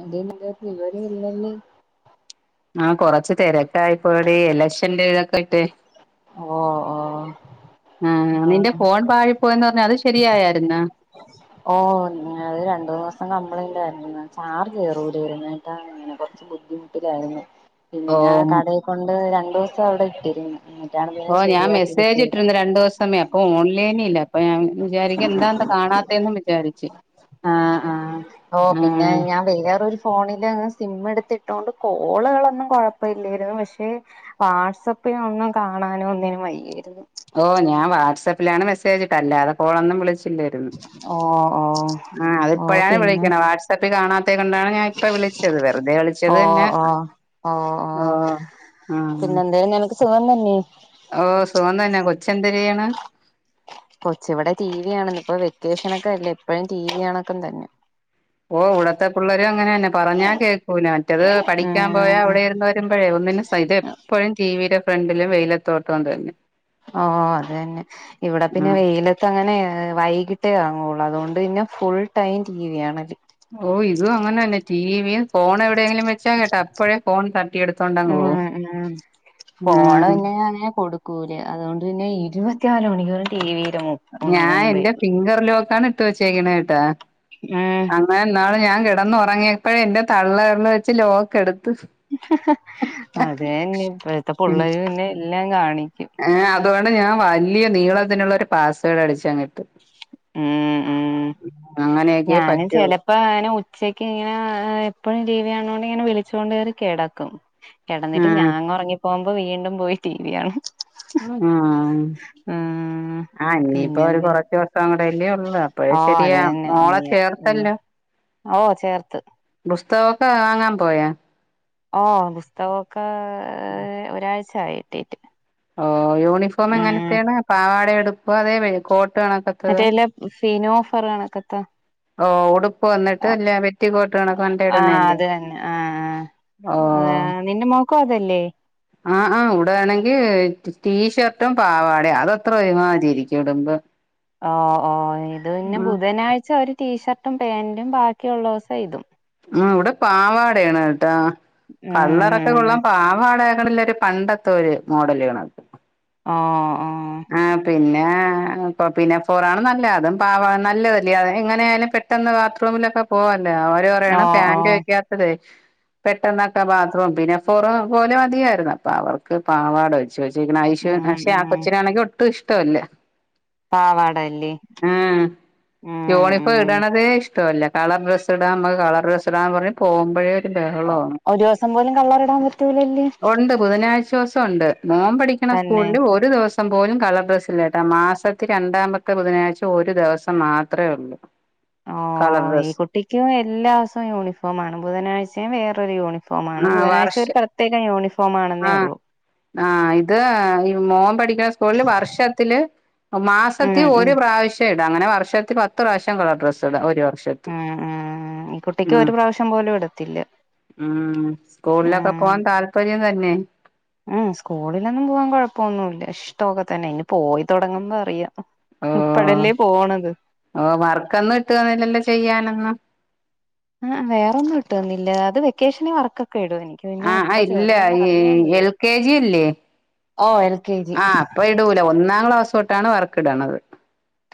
എവിടെർന്നു ഒരു വിവരം ഇല്ലല്ലോ ആഹ് കൊറച്ചു തിരക്കായിപ്പോയെടി എലക്ഷന്റെ ഇതൊക്കെ ആയിട്ടെ ഓഹ് ഓഹ് ആഹ് നിന്റെ ഫോൺ പാഴിപ്പോയെന്ന് പറഞ്ഞ് അത് ശെരിയായാരുന്ന ഓഹ് അത് രണ്ടൂമൂന്ന് ദിവസം കംപ്ലൈന്റ് ആയിരുന്ന് ചാർജ് കേറൂലേർന്ന് ട്ടാ അങ്ങനെ കൊറച്ച് ബുദ്ധിമുട്ടിലായിരുന്നു പിന്നെ ഓഹ് കടേകൊണ്ട് രണ്ടൂസം അവിടെ ഇട്ടിരുന്നു എന്നിട്ടാണ് പിന്നെ ഓഹ് ഞാൻ ശരിയാക്കി മെസ്സേജ് കിട്ടിയത് ഇട്ടിരുന്നു രണ്ട് ദിവസം സമയം അപ്പൊ ഓൺലൈനില്ല അപ്പൊ ഞാൻ വിചാരിക്കും എന്താ ഇന്നെ കാണാത്തേന്നും വിചാരിച്ച് ആഹ് ആഹ് ഓഹ് പിന്നെ ആഹ് ഞാൻ വേറൊരു ഫോണില് അങ്ങ് സിമ്മെടുത്തിട്ടോണ്ട് കോളുകളൊന്നും കുഴപ്പല്ലേർന്നു പക്ഷെ വാട്സപ്പിന് ഒന്നും കാണാനോ ഒന്നിനും വയ്യേര്ന്നു ഓഹ് ഞാൻ വാട്സപ്പിലാണ് മെസ്സേജിട്ടെ അല്ലാതെ കോളൊന്നും വിളിച്ചി ട്ടില്ലെർന്നു ഓ ഓ ആഹ് ഓ അതിപ്പഴാണ് പിന്നെ വിളിക്കണെ വാട്സപ്പിൽ കാണ ത്തെ കൊണ്ടാണ് ഞാൻ ഇപ്പ വിളിച്ചത് വെറുതെ ഓ വിളിച്ചത് തന്നെ ഓഹ് ആഹ് പിന്നെന്തേടി നിനക്ക് സുഖം തന്നെ ഓഹ് സുഖം തന്നെ കൊച്ചെന്തര് ചെയ്യിണ് കൊച്ചിവിടെ ടി വി കാണന്ന് ഇപ്പൊ വെക്കേഷനൊക്കെ അല്ലെ എപ്പഴും ടിവി ഓണാക്കൽ തന്നെ ഓഹ് ഇവിടത്തെ പിള്ളേരും അങ്ങനെന്നെ പറഞ്ഞാ കേൾക്കൂല മറ്റേത് പഠിക്കാൻ പോയാ ഉം അവിടെ ഇരുന്ന് മ്പഴേ ഒന്നിനും സൈ ഇതെപ്പഴും ടിവിടെ ഫ്രണ്ടിലും വെയില ആഹ് അത് തന്നെ ഇവിടെ ആ പിന്നെ വെയില ത്തങ്ങനെ വൈകിട്ടേ ഇറങ്ങുള്ളൂ അതുകൊണ്ട് പിന്നെ ഫുൾ ടൈം ടി വി കാണല് ഓഹ് ഇതും അങ്ങനെന്നെ ടിവിയും ഫോൺ എവിടെയെങ്കിലും വെച്ചാ കേട്ടാ അപ്പോഴേ ഫോൺ തട്ടിയെടു ഉം ഉം ഫോണ് ഉം പിന്നെ ഞാന് അങ്ങനെ കൊടു ക്കൂല അതുകൊണ്ട് പിന്നെ ഇരുപത്തിനാല് മണിക്കൂറും ടി വി ടെ മു ഞാൻ എന്റെ ഫിംഗർ ലോക്കാണ് ഇട്ട് വെച്ചേക്കണെട്ടാ ആഹ് അങ്ങനെ ഇന്നാള് ഞാൻ കിടന്നുറങ്ങിയപ്പഴേ എന്റെ തള്ളവിരല് വെച്ച് ലോക്ക് എടുത്ത് അതെന്നെ ഇപ്പഴത്തെ പുള്ളേര് പിന്നെ എല്ലാം കാണിക്കും ഏഹ് അതുകൊണ്ട് ഞാൻ വല്യ നീളത്തിനുള്ളൊരു പാസ്സ്‌വേർഡ്‌ അടിച്ചങ്ങിട്ടു ഉം ഉം അങ്ങനെയൊക്കെ ഞാനും പറ്റുള്ളൂ ചില പ്പ അങ്ങനെ ഉച്ചയ്ക്ക് ഇങ്ങനെ എപ്പഴും ടീവി കാണണോണ്ട് ഇങ്ങനെ വിളിച്ചോണ്ട് കേറി കെടക്കും ആ കെടന്നിട്ട് ഞാനങ്ങ് ഒറങ്ങിപ്പോമ്പോ വീണ്ടും പോയി ടി വി കാണും ആഹ് ഉം ആഹ് ഇനിപ്പോ ഒരു പിന്നെന്നെ കൊറച്ചൂ സം കൂടല്ലേ ഒള്ളൂ അപ്പഴ് ഓ അത് ശെരിയാവും മോളെ ചേർത്തല്ലോ ഓഹ് ചേർത്ത് പുസ്തകൊക്കെ വാങ്ങാൻ പോയാ ഓഹ് പുസ്തകൊക്കെ ഒരാഴ്ചായി കിട്ടീട്ട് ഓഹ് യൂണിഫോം ഉം എങ്ങനത്തെയാണ് പാവാടെ ഉടുപ്പൊ അതെ കോട്ട് കണക്കെ മറ്റേ ഇല്ല ഫീനോഫർ കണക്കത്തെ ഓ ഉടുപ്പ് വന്നിട്ട് അല്ല പെറ്റി കോട്ടണക്കെ കൊണ്ട് ഇടണല്ലേ അത് ആഹ് ആഹ് ഓഹ് ആഹ് നിന്റെ മോക്കും അതല്ലേ ആഹ് ആഹ് ഇവിടയാണെങ്കിൽ ടീഷർട്ടും പാവാടയും അതത്ര ഒരു മാരി ഇരിക്കും ഇടുമ്പം ഓ ഓ ഇത് പിന്നെ ബുധനാഴ്ച ഒരു ടീഷർട്ടും പാൻറും ബാക്കിയുള്ള ദിവസം ഇതും ആ ഇവിടെ പാവാടയാണ് കേട്ടാ കള്ളറൊക്കെ കൊള്ളാൻ ഉം പാവാട ആക്കണില്ല ഒരു പണ്ടത്തെ ഒരു മോഡല്ണ ആ ആ പിന്നെ പിന്നെ ഫോറാണ് നല്ല അതും പാവാ നല്ലതല്ല എങ്ങനൊലും പെട്ടന്ന് ബാത്റൂമിലൊക്കെ പോവല്ലേ അവര് ഓ പറയാണ് ഓ ഫാാന്റ് വെക്കാത്തത് പെട്ടെന്നൊക്കെ ബാത്റൂം പിന്നെ ഫറ പോലെ അതിയായിരുന്നു അപ്പൊ അവർക്ക് പാവാട ച്ച് വെച്ചെക്ക്ണ് ഉം പക്ഷെ ആ ഉം കൊച്ചിനാണെങ്കി ഒട്ടും ഇഷ്ടമല്ല പാവാടല്ലേ ആ ഉം യുണിഫോം ഉം ഇടണതേ ഇഷ്ടല്ല കളർ ഡ്രസ് ഇടാൻ നമ്മക്ക് കളർ ഡ്രസ് ഇടാന്ന് പറഞ് പോക്മ്പോഴേ ഒ ബഹളാണ് ഒരു ദിവസം പോലും കളറിടാൻ പറ്റൂലല്ലേ ഉണ്ട് ബുധനാഴ്ച്ച ദിവസം ഉണ്ട് മോൻ പഠിക്കണ തന്നെ സ്കൂളിൽ ഒരു ദിവസം സം പോലും കളർ ഡ്രസ്സ് ഇല്ലായിട്ട് ആ മാസത്തി രണ്ടാമത്തെ ബുധനാഴ്ച ഒരു ദിവസം മാത്രമേ ഉള്ളൂ ആ ഓ ഈ കുട്ടിക്കും എല്ലാ ദിവസവും യൂണിഫോ ആണ് ബുധനാഴ്ചയും വേറരു യൂണിഫോ ആ യൂണഫോംമാണ് വർഷ ബുധനാഴ്ഒരു പ്രത്യേക യൂണിഫോംമാണെന്നേ ഉള്ളൂ ആഹ ഇത് ഈ മോൻ പഠിക്കണ വർഷത്തില് ഉം മാസത്തിൽ ഉം ഒരു പ്രാവശ്യം ഇട അങ്ങനെ വർഷത്തി പത്ത് പ്രാവശം കളർ ഡ്രസ്ട ഒരു വർഷം ഉം ഈ കുട്ടിക്ക് ഒരു പ്രാവശ്യം പോലും ഇടത്തില്ല ഉം സ്കൂളിലൊക്കെ ഉം പോവാാൻ താല്പര്യം തന്നെ ഉം സ്കൂളിലൊന്നും പോവാൻ കൊഴപ്പൊന്നുമല്ല ഇഷ്ടമൊക്കെ തന്നെ ഇനി പോയി തുടങ്ങുമ്പോ അറിയാം ഓ ഉപ്പടല്ലേ പോണത് ഓ വർക്കൊന്നും ഇട്ട് തന്നില്ലല്ലോ ചെയ്യാനൊന്നും ആ വേറെൊന്നും ഇട്ട് വന്നില്ല അത് വെക്കേഷന് വർക്കൊക്കെ ഇടു എനി ആഹ് ഇല്ല ഈ എൽ കെ ജി ഇല്ലേ ഓ എൽ കെ ജി ഇപ്പ ഇടൂല ഒന്നാം ക്ലാസ് തൊട്ടാണ് വർക്ക് ഇടണത്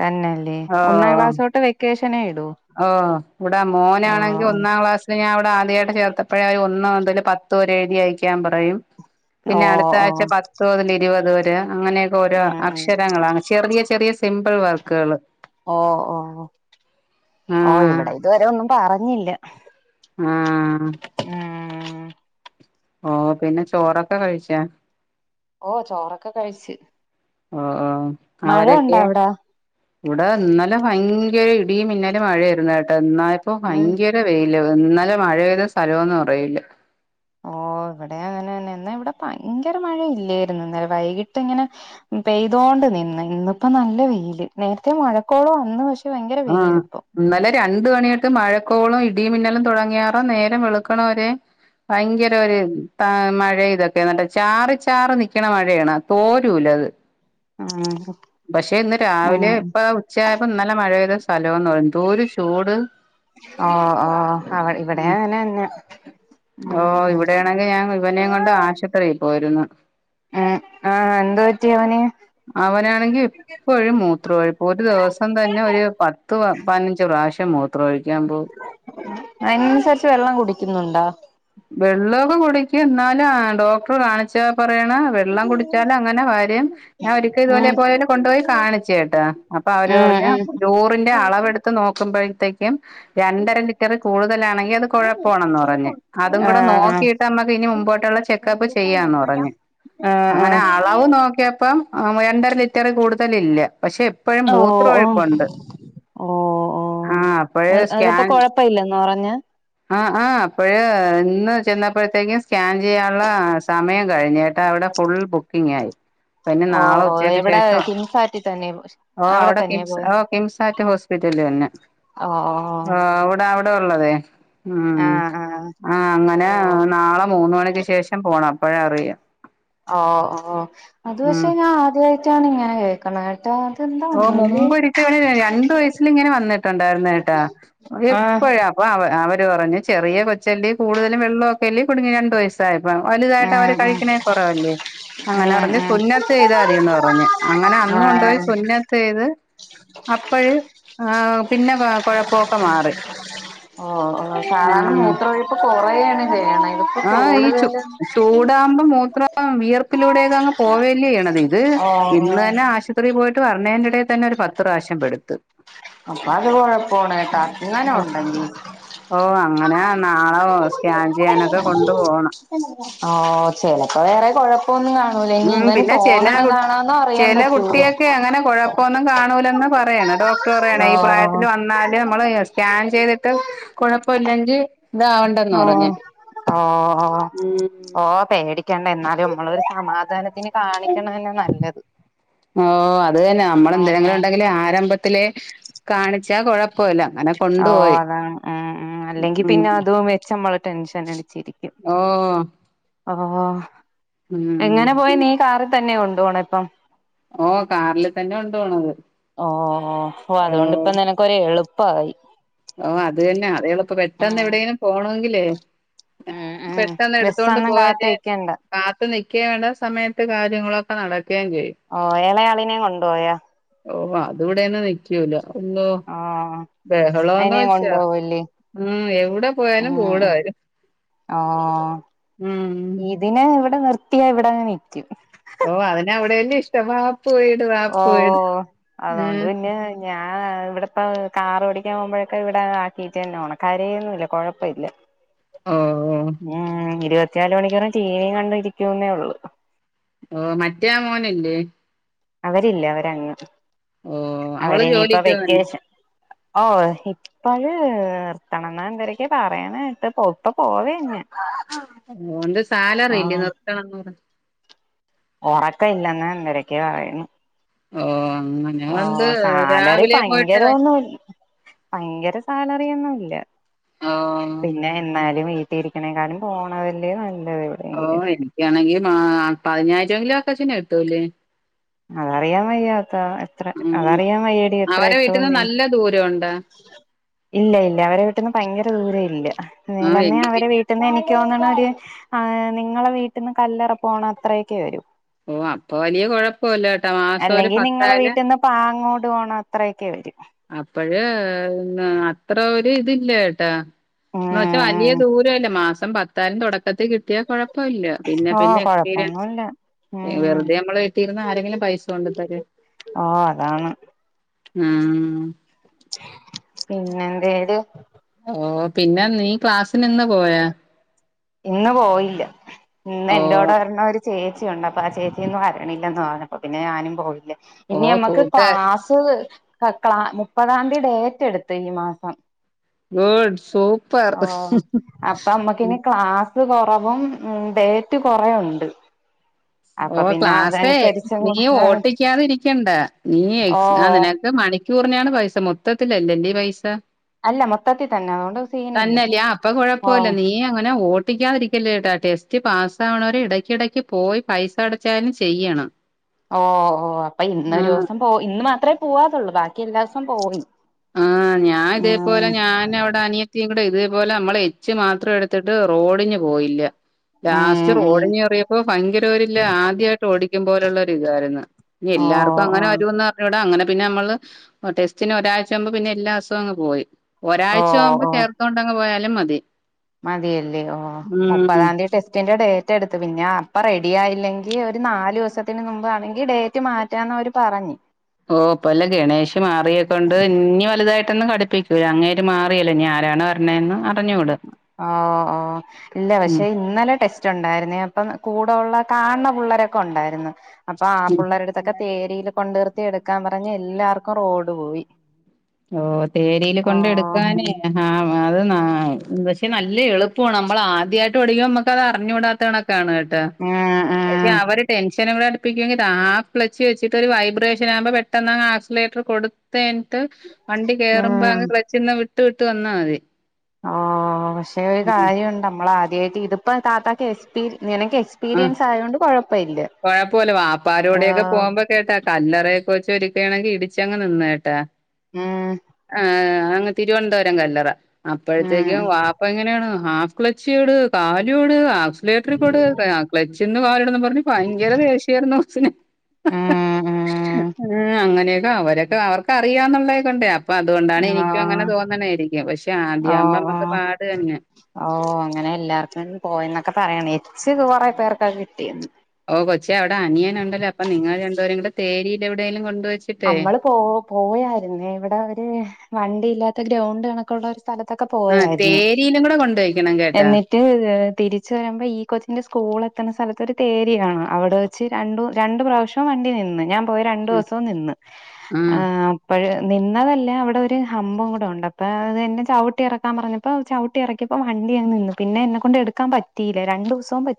തന്നെയല്ലേ ഒന്നാം ഓ ക്ലാസ് തോട്ട് വെക്കേഷനെ ഇടൂ ഓ ഇവിടാ ഓ മോനാണെങ്കിൽ ഒന്നാം ക്ലാസ് പി ഞൻ അവിടെ ആദ്യമായിട്ട് ചേർത്തപ്പോഴേ ഒന്നോ എന്തേലും പത്തോരെ എഴുതി അയക്കാൻ പറയും ഓ പിന്നെ അടുത്ത ഓ ആഴ്ച പത്ത് മുതൽ ഇരുപത് വരെ അങ്ങനെ ഓരോ ഉം ഉം അക്ഷരങ്ങളാണ് ചെറിയ ചെറിയ സിമ്പിൾ വർക്കുകൾ ഓ ഓ ഓ ഓ ആഹ് ഇവിടെ ഇതുവരെ ഒന്നും പറഞ്ഞില്ല ആഹ് ഉം ഓ പിന്നെ ചോറൊക്കെ കഴിച്ചാ ഓ ചോറൊക്കെ കഴിച്ച് ഓ ഓ മഴ അവരൊക്കെ ഉണ്ടോ അവിടെ ഇവിടെ ഇന്നലെ ഭയങ്കര ഇടിയും മിന്നലും മഴയാരുന്നു കേട്ടോ ഇന്നായപ്പം ഇപ്പോ ഉം ഭയങ്കര ര വെയില് ഇന്നലെ മഴ പെയ്ത സ്ഥലമൊന്നും അറിയില്ല ഓ ഇവിടെ അങ്ങനെ തന്നെ എന്നാ ഇവിടെ ഭയങ്കര മഴ ഇല്ലായിരുന്നു അന്നേര വൈകിട്ട് ഇങ്ങനെ പെയ്തോണ്ട് നിന്ന് ഇന്നിപ്പോ നല്ല വെയിയില് നേരത്തെ മഴക്കോളം വന്ന് പക്ഷേ ഭയങ്കര ആഹ് വെയിയിലിപ്പോം ഇന്നലെ രണ്ട് മണിയൊട്ട് മഴക്കോളും ഇടി മിന്നലും തുടങ്ങിയാറോ നേരം വെളുക്കണവരെ ഭയങ്കര ഒരു മഴ ഇതൊക്കെ എന്നട്ട ചാറി ചാറി നൽക്കണ മഴയാണ് തോരൂലത് ആഹ പക്ഷെ ഇന്ന് രാവിലെ ഇപ്പ് ഉച്ചയായപ്പോ ഇന്നലെ മഴെയ്ത സ്ഥലമന്ന് പറ എന്തൂര ചൂട് ഓ ഓ അവ ഉം ഇവിടെയാങ്ങനെ ഓ ഇവിടെയാണെങ്കിൽ ഞാൻ ഇവ നെയം കൊണ്ട് ആശുപത്രിയിൽ പോയിരുന്നു ഹ് ആഹ് എന്ത് പറ്റിയ അവന് അവനാണെങ്കിൽ ഇപ്പഴും മൂത്ര ഒഴിപ്പ് ഒരു ദിവസം തന്നെ ഒരു പത്ത് പതിനഞ്ച് പ്രാവശ്യം മൂത്ര ഒഴിക്കാൻ പോവും അതിനനുസരിച്ച് വെള്ളം കുടിക്കുന്നുണ്ടോ വെള്ളമൊക്കെ കുടിക്കും എന്നാല് ഡോക്ടർ കാണിച്ച പറയാണ്‌ വെള്ളം കുടിച്ചാല അങ്ങനെ വരും ഞാൻ ഒരിക്കൽ ഇതുപോലെ ഉം പോയി അവനെ കൊണ്ടുപോയി കാണിച്ചുട്ടാ അപ്പൊ അവര് ഉം പറഞ്ഞ് ഉം യൂറിന്റെ അളവെടുത്ത് നോക്കുമ്പോഴത്തേക്കും രണ്ടര ലിറ്ററിൽ കൂടുതലാണെങ്കി അത് കുഴപ്പാണെന്ന് പറഞ്ഞ് അതും കൂടെ ആഹ് നോക്കിട്ട് നമ്മക്ക് ഇനി മുമ്പോട്ടുള്ള ചെക്കപ്പ് ചെയ്യാന്ന് പറഞ്ഞ് ആഹ് ആഹ് അങ്ങനെ ആഹ് അളവ് നോക്കിയപ്പം രണ്ടര ലിറ്റർ ലിറ്ററിൽ കൂടുതലില്ല പക്ഷെ എപ്പോഴും ഓ മൂത്രം ഓ ഒഴുപ്പുണ്ട് ഓ ഓ ആഹ് അപ്പഴ് അത് അതപ്പൊ സ്കാൻ കൊഴപ്പയില്ലെന്ന് പറഞ്ഞ് ആഹ് ആഹ് അപ്പഴ് ഇന്ന് ചെന്നപ്പോഴത്തേക്കും സ്കാൻ ചെയ്യാനുള്ള സമയം കഴിഞ്ഞ്ട്ടാ അവിടെ ഫുൾ ബുക്കിങ്ങ് ആയി [inaudible] പിന്നെ ഓ നാളെ ഓ ഉച്ചയ്ക്ക് എവിടെ ശേഷം കിംസാറ്റി തന്നെ ഓ അവിടെ തന്നെ കിം പോയി ഓ കിംസാറ്റ് ഹോസ ഹോസ്പിറ്റൽ തന്നെ ആഹ്‌ ഇപ്പോ ഉള്ളത് ഉം ആഹ് അങ്ങനെ ഓ നാളെ മൂന്ന് മണിക്ക് ശേഷം പോണം അപ്പോഴ അറിയാം ഓ ഓ അത് ഉം പക്ഷെ ഞാൻ ആദ്യമായിട്ടാണ് ഇങ്ങനെ കേൾകണ കേട്ടോ അത് ഓ മുമ്പ് ഒരിക്ക അവ രണ്ടു വയസ്സൽ ഇങ്ങനെ വന്നിട്ടുണ്ടായിരുന്ന കേട്ടാ ആഹ് എപ്പോഴാ അപ്പൊ അവ അവര് പറഞ്ഞു ചെറിയ കൊച്ചലേ കൂടുതും വെള്ളമൊക്കെല്ലേ കുടുങ്ങി രണ്ടു വയസ് [unintelligible] വലുതായിട്ട് അവര് ആഹ് കഴികുന്നത് കുറവല്ലേ അങ്ങനെ പറഞ്ഞ് സുന്നത്ത് ചെയ്താ മതിന്ന് പറഞ്ഞ് അങ്ങനെ അന്ന് കൊണ്ട്പോയി സുന്നത് ചെയ്ത് അപ്പോഴ ആഹ് പിന്നെ കുഴപ്പൊക്കെ മാറി ആഹ് അപ്പൊ കൊറോണ് ചെയ്യണ ആഹഹ് ഈ ച ചൂടാുമ്പോ മൂത്രം വിയർപ്പിലൂടെയൊക്കെ അങ്ങ് പോവേല്ലേ ചെയണ ഇത് ഓ ഓ ഇന്ന് തന്നെ ആശുപത്രിയിൽ പോയിട്ട് പറഞ്ഞേന്റെടയിൽ തന്നെ ഒരു പത്ത് പ്രാവശ്യം പെടുത്ത് അപ്പൊ അത് കൊഴപ്പാണ് കേട്ടാ ഇങ്ങനെ ഓ ഉണ്ടെങ്കിൽ ഓ അങ്ങന നാളെ സ്കാൻ ചെയ്യാനൊക്കെ കൊണ്ടു പോണം ഓ ചിലപ്പോ വേറെ കൊഴപ്പൊന്നും കാ ഉം പിന്നെ ചില അറിയാൻ ചില പറ്റൂല കുട്ടിയക്കെ അങ്ങനെ കുഴപ്പ പ്പം ഒന്നും കാണൂലന്ന് പറയണ് ഡോക്ടർ പറയണേ ഈ പ്രായത്തിൽ ആഹ് വന്നാല് നമ്മള് സ്‌കാൻ ചെയ്തിട്ട് കുഴപ്പ ഇല്ലങ്കിൽ ഓ ഓഓ ഉം ഓ ഓം പേടിക്കണ്ട എന്നാലും നമ്മളൊ ഒരു സമാധാനത്തിന് കാണിക്കണം തന്നെ നല്ലത് ഓ അത് തന്നെ നമ്മള് എന്തെങ്കിലും ആഹ് ണ്ടെങ്കിൽ ആരംഭത്തില കാണിച്ചാ കുഴപ്പമില്ല അങ്ങ ഓ അതാണ് ഉം ഉം അല്ലെങ്കി ഉം പിന്നെ അത ച്ചമ്മള് ടെൻഷൻ അടിച്ചിരിക്കും ഓ ആഹ്‌ ഉം എങ്ങനെ പോയി നീ കാറിൽ തന്നെ കൊണ്ട് പോണ ഇപ്പം ഓ കാറില് തന്നെ കൊണ്ടോണത് ഓ ഓ അതുകൊണ്ട്പ്പ നനക്ക് ഒരു എളുപ്പായി ഓ അതന്നെ അതയാള ഇപ്പ ഉം പെട്ടന്ന് എവിടെേങ്കനും പോണെങ്കിലേ ഉം ഉം പെട്ടെന്ന് എടുത്തൊണ്ട് ബസ്സൊന്നും പോവാേ കാത്ത് ചെയ്യാൻ നിക്കണ്ട കാത്ത്ു നിക്കുക വേണ്ട സമയത്ത് കാര്യങ്ങളൊക്കെ നടക്കുകയും ചെയ്യും ഓ ഇളയാളിനെയം കൊണ്ടുപോയാ ഓ അതിവിടെന്നും നിക്കൂല ഒന്നു ഓ തോന്ന അയിനേം വെച്ചോ കൊണ്ടുപോവല്ലേ ഉം എവിടെ പോയാലും ഉം കൂടെവരും ഓ ഇതിനെവ്ടെ നിർത്തിയാ ഇവിടെങ്ങനെര്ക്യും ഓ അതിനെ അവിടെന്നെ ഇഷ്ടമാ പോയി ഓ അതൊണ്ട് പിന്നെ ഞാൻ ഇവിടെപ്പ കാർ ഓടിക്കാൻ പോകുമ്പോഴൊക്കെ ഇവിടെ ആക്കിട്ട ന്നെ പോണ ക്കരന്നുല്ല കൊഴപ്പഇല്ല ഓ ഓ ഉം ഇരുപത്തിയാല് മണിക്കൂറും ചീനയും കണ്ടിരിക്ക്യൂന്നേ ഉള്ളൂ ഓ മറ്റേ മോനല്ലേ അവരില്ല അവരങ് ഓ അവള് അവരിനിയിപ്പോ ജോലിക്ക് പോവാണ് വെക്കേഷൻ ഓഹി പ്പഴ് നിർത്തണംന്നാൺ ഇവരക്കെ പറയാനായിട്ട് പൗത്ത പോവേ ഞ്യാൻ ഒൻ്റെ സാലറില്ലേ നിർത്തണന്നു ഒറക്ക ഇല്ലെന്ന്ന്തരൊക്കെ പറയുന്ന് ഓ അങ്ങൻ ഓ സാലറി വൈ- പയങ്കരഒന്നു അയ്ങ്കര സാലറിയൊന്നുല്ല ഓ പിന്നെ ന്നാലും ഇ തിരിക്ണേങ്കാലും പോണതല്ലേ നല്ലത് ഓ എവിടെയെങ്കിലും എനിക്കാണെങ്കി മാ പതിനാഴ്ചെക്കങ്കിലും ആക്കാശന എത്തൂല്ലേ അതറിയാൻ വയ്യാത്ത എത്ര അതറിയാ മയ്യേടി എത്ര ഇട്ടൂന്ന് തൊണ്ടാ ഇല്ല ഇല്ല അവരെ വീട്ട്ന്നും പയങ്കര ദൂര ഇല്ല ആഹ് നീലമ്മേ എങ്കി അവരെ പിന്നെ വീ ട്ടെന്നനിക്ക് തോന്നണ ഒര് നിങ്ങളെ വീട്ട്ന്ന് കല്ലറക്യുവാണ് അത്രയെക്കെ വരു ഓ അപ്പൊ വലിയ കുഴപ്പൊല്ലാട്ടാ മാസം ഒര് പത്താല് പ്പാങ്ങോട് പോണത്രയൊക്കെ വരു അപ്പഴ് അത്ര ഒരിതില്ലെട്ടാ ന്വെച്ചാ അലിയ ഉം ദൂരല്ല മാസം പത്താലും തെടക്കത്തിൽ കിട്ടിയാ കൊഴപ്പ് പ്പല്ല പിന്നെ ഓ പിന്നെ എക്സ്പീരിയൻസ് കൊഴപ്പൊന്നുല്ല ഉം വെറുതെ നമ്മള് തീർന്ന ആരെങ്കിലും പൈസ കൊണ്ട്ത്തരോ ഓ അതാണ് ഉം പിന്നെന്തേത് ഓ പിന്നെ നീ ക്ലാസ്സിന് ന്ന് പോയാ ഇന്ന് പോയില്ല ഇന്ന് ഓ എൻറോടെ പർണാല് ചേച്ചി ഉണ്ടപ്പൊ ആ ചേച്ചിയന്ന് വരണില്ലന്ന് പറഞ്ഞപ്പോ പിന്നെ ഞാനും പോകില്ലേ ഓ ഇന്നിയമ്മക്ക് ക്ലാ കൂട്ടുകാർ ത്ത് ക ക്ല മുപ്പതാംതീ ഡേറ്റ് എട്ത്തു ഈ മാസം ഗൂഡ് സൂപ്പർ അപ്പമ്മക്കിനി ക്ലാസ് കൊറവും ഉ ഡേറ്റ് കൊറയുണ്ട് ഓ ക്ലാസ്സേ നീ ഓട്ടിക്കാതി ഇരിക്കണ്ട നീ ഓ എക്സാ നിനക് ത് മണിക്കൂറിനെയാണ് പൈസ മൊത്തത്തിലല്ലന്റെ പൈസ അല്ല മൊത്തത്തി തന്നെ അതുകൊണ്ട് സീനില്ല തന്നല്ല ആപ്പ ഓ കൊഴപ്പുല്ല നീ അങ്ങനെ ഓ പിക്കാതിരിക്കലേട്ടാ ടെസ്റ്റ് പാസ്സ വണവരെ ഇടക്കിടയ്ക്ക് പോയി പൈസ അടച്ചാലും ചെയ്യണം ഓ ഓ അപ്പൊ ആ ഇന്നൊരുസം പോ ഇന്ന് മാത്രമേ പോവാതുള്ളൂ ബാക്കി എല്ലാ സം പോയി ആഹ് ഞാൻ ഉം ഇതേപോലെ ഞാൻവ്ടെ അനിയ ത്തിയുങ്കൂടെ തേപോലെ നമ്മള എച്ചു മാത്രം എടുത്തിട്ട് റോഡിന് പോയില്ല ലാസ്റ്റ് ഉം ഉം ഓടിഞ് എറിയപ്പോ ഭയങ്കരവരില്ല ആദ്യായിട്ട് ഓടിക്യും പോലെളെളാരി താര്ന്നു ഞ്യ ഓ എല്ലാർക്കും ഓ അങ്ങനെ വരൂന്ന് അർഞ്ഞൂടാ അങ്ങനെ പിന്നെ നമ്മള് ഓ ടെസ്റ്റിന് ഒരാഴ്മ്പോമ്പ പിന്നെ എല്ലാസും അങ് പോയി ഓ ഒരാ്ച ആവുമ്പോ ഓ ചേർത്തോണ്ടങ് പോയാലും മതി മതിയല്ലേ ഓ ഉം മുപ്പതാം തീയതി ടെസ്റ്റിന്റെ ടേ എടുത്ത് പിന്നെ അപ്പൊ റെഡി ആയില്ലെങ്കി ഒരു നാല് ദിവസത്തിന് മുമ്പ് ആണെങ്കി ഡേറ്റ് മാറ്റ്. റ്റാനവര് പറഞ് ഓ പ്പൊ എല്ലാം ഗെണേഷ് മാറിയതോണ്ട് ഇഞി വലുതായിട്ടൊന്ന് കഘിപ്പി ട്ടൂല അങ്ങേര് മാറിയല്ലേ ഞ്യാരാ ആരാണ് പറഞ്ഞെന്ന് അറിഞ്ഞൂട ഓ ഓ ഇല്ല ഉം പക്ഷെ ഇന്നലെ ടെസ് ട്ടുണ്ടായിരുന്നേ അപ്പം കൂടെ ഉള്ള കാണുന്ന പിള്ളരൊക്കെ ഉണ്ടായിരുന്നു. അപ്പൊ ആ ഉം പിള്ളേരെടുത്തൊക്കെ തേരില് കൊണ്ട് നിർത്തി എടുക്കാൻ പറഞ്ഞ് എല്ലാർക്കും റോഡ് പോയി. ഓ തേരിൽ കൊണ്ട് ഓഹ് എടുക്കാനേ. ഹ അത് പക്ഷെ നല്ല എളുപ്പമാണ് നമ്മൾ ആദ്യായിട്ട് ഓടിക്കോ നമ്മക്കത് അറിഞ്ഞുകൂടാത്തേണ്. ആണ്കേട്ടാ ഉം പക്ഷെ ഉം അവര്ടെൻഷന് കൂടെ. ഹാഫ് ക്ളച്ച് വെച്ചിട്ട് ഒരു വൈബ്രേഷൻ ആകുമ്പോ പെട്ടെന്ന്ങ് ആക്സിലേറ്റർ കൊടുത്ത കഴിഞ്ട്ട്. വണ്ടി കേയറുമ്പോ ഉം അങ് ക്ളച്ന് വിട്ട് വിട്ട് വന്നാൽ മതി. ഓ പക്ഷെ ഒരു കാര്യംണ്ട് നമ്മള ആദ്യമായിട്ട് ഇതിപ്പോ താത്തകെ എസ് പി നിനക്കെ സ്പി. ആ കൊഴപ്പോല്ല വാപ്പാരോടെക്കെ ആഹ് പോകുമ്പോ. കേട്ടാ കല്ലറയക്കെ വെച്ചൊരിക്കുകയാണെങ്കി ഇടിച്ചങ്ങ് നിന്ന് കേട്ടാ. ഉം ആഹ് അങ്ങ് തിരുവനന്തപുരം കല്ലറ. അപ്പോഴത്തേക്കും ഉം വാപ്പ ഇങ്ങനെണ് ഹാഫ് ക്ലച്ചിയോട് കാലുട് ആക്‌സിലേറ്ററ് കൊട്. ക്ലച്ചിന് കാലിടണം പറഞ്ഞ് ഭയങ്കര ദേഷ്യാ യിരുന്നു കൊച്ചിന്. ഉം ഉം അങ്ങനെ അവരൊക്ക ആർക്കറിയാന്നുള്ള ഇതുണ്ട് അപ്പൊ അതുകൊണ്ടാണ് എനിക്കും ആഹ് അങ്ങനെ തോന്നണായിരിക്കും പക്ഷെ ആദ്യ ആവുമ്പോ നമ്മുക്ക് പാട് തന്നെ. ഓ അങ്ങനെ എല്ലാർക്കും പോയന്നൊക്കെ പറയണ എച് കൊറെ പേർക്കൊക്കെ കിട്ടിന്ന്. ഓ കൊച്ചെ അവിടെ അനിയനുണ്ടല്ലോ അപ്പ നിങ്ങൾ രണ്ടുപേരും കൂടെ തേരിൽ എവിടെലും കൊണ്ട് പോയി. നമ്മള് പോയായിരുന്നേ ഇവിടെ ഒര് വണ്ടിയില്ലാത്ത ഗ്രൗണ്ട് കണക്കുള്ള. സ്ഥലത്തൊക്കെ ആഹ് പോയായിരുന്നു തേരിയിലും കൂടെ കൊണ്ടോയ്ക്കണം കേട്ടാ എന്നിട്ട്. ന്നിട്ട് തിരിച്ച വരുമ്പോ ഈ കൊച്ചിന്റെ സ്കൂൾ എത്തുന്ന സ്ഥലത്ത് ഒരു തേരിയാണ അവിടെ. രണ്ട പ്രാവശ്യവും വണ്ടി നിന്ന് ഞാൻ പോയ രണ്ടു ദിവസവും നിന്ന്. ആഹ് നിന്നതല്ല അവിടെ ഒരു ഹമ്പും കൂടെ ഉണ്ട് അപ്പൊ അതെനെ ചവിട്ടി ഇറക്കാൻ പറഞ്ഞ. ഇപ്പൊ ചവിട്ടി ഇറക്കിയപ്പോ വണ്ടി അങ്ങ് നിന്നു പിന്നെ എന്നെ കൊണ്ട് എടുക്കാൻ പറ്റിയില്ല രണ്ടു ദിവസവും പറ്റിയില്ല.